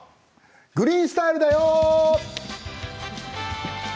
「グリーンスタイル」だよ。